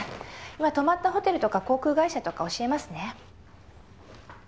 今泊まったホテルとか航空会社とか教えますね。